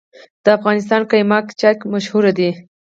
د افغانستان قیماق چای مشهور دی